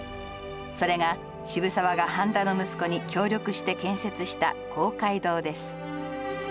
それが、渋沢が繁田の息子に協力して建設した公会堂です。